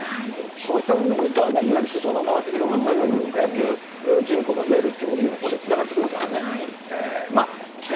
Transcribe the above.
こういった部分でいうと、すそ野が広がったというか、野球人口が増えるということにもこれつながってくるからね。